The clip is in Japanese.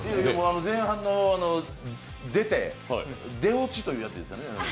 前半の出て、出落ちというやつでしたね。